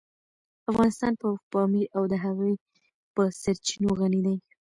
افغانستان په پامیر او د هغې په سرچینو غني دی.